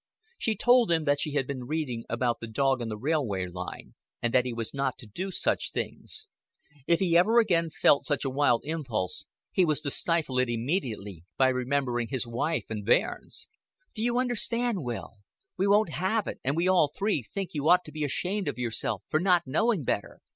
She told him that she had been reading about the dog on the railway line, and that he was not to do such things. If he ever again felt such a wild impulse, he was to stifle it immediately by remembering his wife and bairns. "D'you understand, Will? We won't have it and we all three think you ought to be ashamed of yourself for not knowing better.